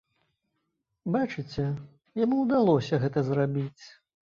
Бачыце, яму ўдалося гэта зрабіць.